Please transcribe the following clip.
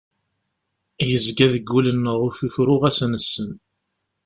Yezga deg wul-nneɣ ukukru ɣas nessen.